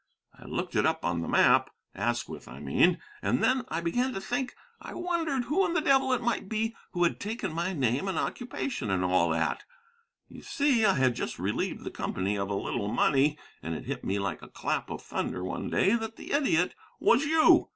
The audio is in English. I looked it up on the map (Asquith, I mean), and then I began to think. I wondered who in the devil it might be who had taken my name and occupation, and all that. You see, I had just relieved the company of a little money, and it hit me like a clap of thunder one day that the idiot was you.